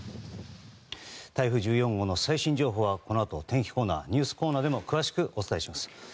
台風１４号の最新情報はこのあと天気コーナーニュースコーナーでも詳しくお伝えします。